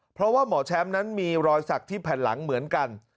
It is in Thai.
เพราะว่าหมอแชมป์นั้นมีรอยสักที่แผ่นหลังเหมือนกัน